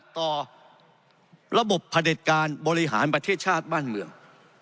ต่อระบบผลิตการบริหารประเทศชาติบ้านเมือง